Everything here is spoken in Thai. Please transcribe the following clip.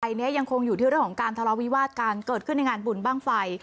อันนี้ยังคงอยู่ที่เรื่องของการทะเลาวิวาสการเกิดขึ้นในงานบุญบ้างไฟ